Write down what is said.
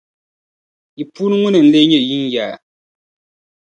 Yi puuni ŋuni n-leei nyɛ yinyaa.